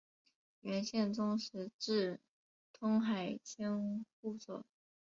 元宪宗时置通海千户所。